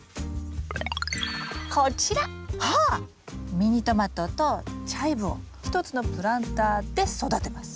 ミニトマトとチャイブを１つのプランターで育てます。